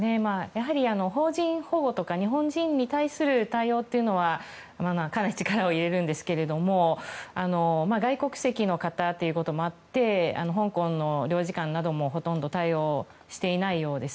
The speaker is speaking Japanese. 邦人保護とか日本人に対する対応とかはかなり力を入れるんですけど外国籍の方ということもあって香港の領事館などもほとんど対応していないようです。